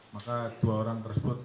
maka dua orang tersebut luka luka